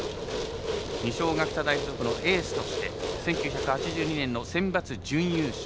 二松学舎大付属のエースとして１９８２年のセンバツ準優勝。